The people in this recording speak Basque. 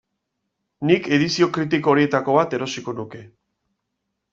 Nik edizio kritiko horietako bat erosiko nuke.